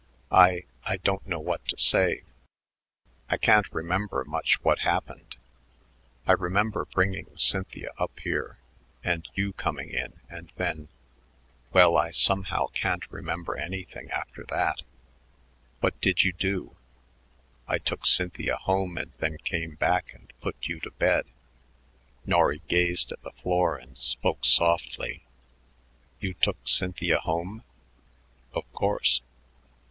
"I I don't know what to say. I can't remember much what happened. I remember bringing Cynthia up here and you coming in and then well, I somehow can't remember anything after that. What did you do?" "I took Cynthia home and then came back and put you to bed." Norry gazed at the floor and spoke softly. "You took Cynthia home?" "Of course."